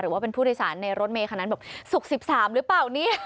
หรือว่าเป็นผู้โดยสารในรถเมย์ขนาดนั้นสุก๑๓หรือเปล่านี่